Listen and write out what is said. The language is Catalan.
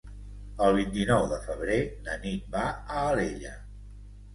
El vint-i-nou de febrer na Nit va a Alella.